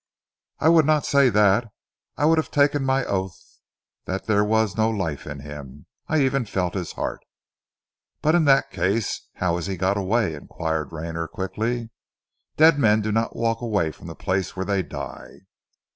"I would not say that. I would have taken my oath that there was no life in him. I even felt his heart!" "But in that case, how has he got away?" inquired Rayner quickly. "Dead men do not walk away from the place where they die."